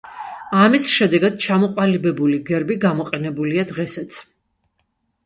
ამის შედეგად ჩამოყალიბებული გერბი გამოყენებულია დღესაც.